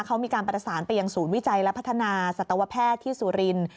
เขามีการประสานไปยังศูนย์วิจัยและพัฒนาสัตวแพทย์ที่สุรินทร์